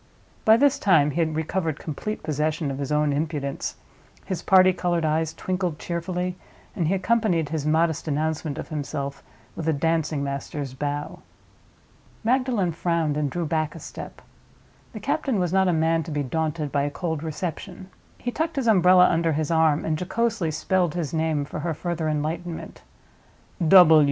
By this time he had recovered complete possession of his own impudence; his party colored eyes twinkled cheerfully, and he accompanied his modest announcement of himself with a dancing master's bow. Magdalen frowned, and drew back a step. The captain was not a man to be daunted by a cold reception. He tucked his umbrella under his arm and jocosely spelled his name for her further enlightenment.